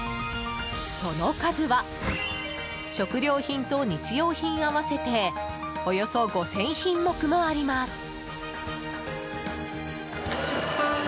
その数は食料品と日用品合わせておよそ５０００品目もあります。